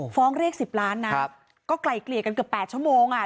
ฟ้องเรียก๑๐ล้านนะก็ไกลเกลี่ยกันเกือบ๘ชั่วโมงอ่ะ